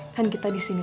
kan kita disuruh